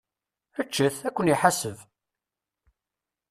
Ččet! Ad ken-iḥaseb!